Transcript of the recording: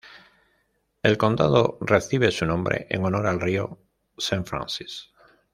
El condado recibe su nombre en honor al río Saint Francis.